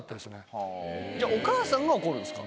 じゃあお母さんが怒るんですか？